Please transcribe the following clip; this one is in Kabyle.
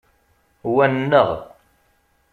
Wa nneɣ.